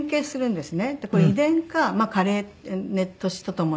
これ遺伝か加齢年とともに。